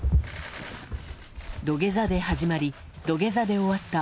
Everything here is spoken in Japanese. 土下座で始まり土下座で終わった